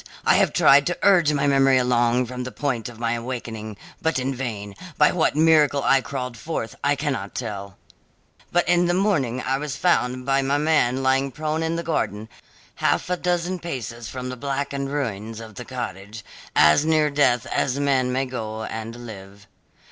I have tried to urge my memory along from the point of my awakening, but in vain. By what miracle I crawled forth, I cannot tell; but in the morning I was found by my man lying prone in the garden, half a dozen paces from the blackened ruins of the cottage, as near death as man may go and live.